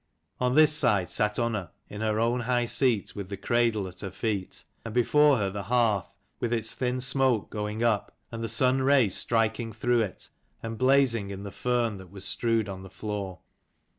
On this side sat Unna in her own high seat with the cradle at her feet, and before her the hearth with its thin smoke going up, and the sun ray striking through it, and blazing in the fern that was strewed on the floor.